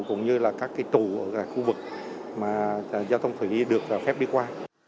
cũng như là các cái tù ở khu vực mà giao thông thủy được phép đi qua